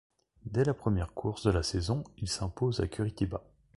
Dès la première course de la saison, il s'impose à Curitiba.